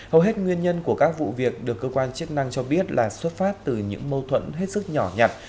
hầu hết nguyên nhân của các vụ việc được cơ quan chức năng cho biết là xuất phát từ những mâu thuẫn hết sức nhỏ nhặt